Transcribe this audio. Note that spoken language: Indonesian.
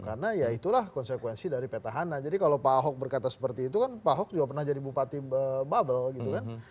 karena ya itulah konsekuensi dari petahana jadi kalau pak ahok berkata seperti itu kan pak ahok juga pernah jadi bupati babel gitu kan